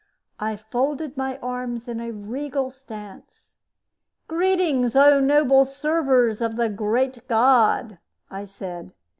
I folded my arms in a regal stance. "Greetings, O noble servers of the Great God," I said.